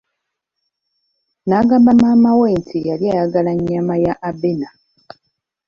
N'agamba maama we nti yali ayagala nnyama ya Abena.